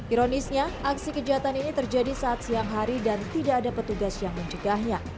ironisnya aksi kejahatan ini terjadi saat siang hari dan tidak ada petugas yang mencegahnya